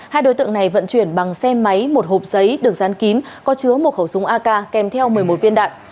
hai đối tượng này vận chuyển bằng xe máy một hộp giấy được dán kín có chứa một khẩu súng ak kèm theo một mươi một viên đạn